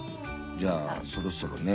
じゃあそろそろね。